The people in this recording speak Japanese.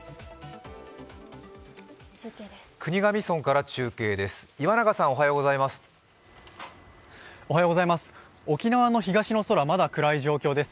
国頭村から中継です。